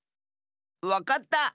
わかった！